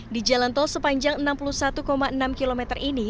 di jalan tol sepanjang enam puluh satu enam km ini